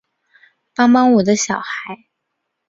帮帮我的小孩